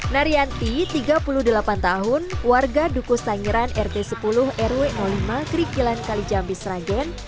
narianti tiga puluh delapan tahun warga dukus tangiran rt sepuluh rw lima krikilan kalijambis ragen